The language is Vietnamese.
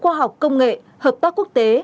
khoa học công nghệ hợp tác quốc tế